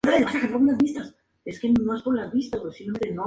Su pelo es corto, apretado y contiguo, con una gruesa capa interna de pelos.